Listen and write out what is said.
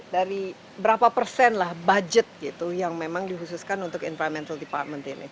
dari berapa persen lah budget gitu yang memang dikhususkan untuk environmental department ini